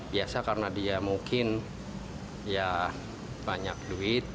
biasa karena dia mungkin ya banyak duit